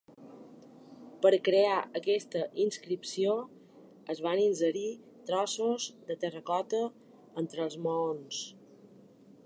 Per crear aquesta inscripció es van inserir trossos de terracota entre els maons.